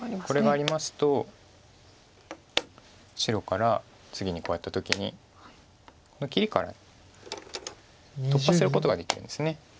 これがありますと白から次にこうやった時に切りから突破することができるんです。